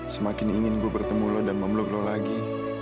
semakin ingin bu bertemu lo dan memeluk lo lagi